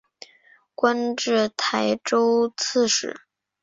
官至台州刺史。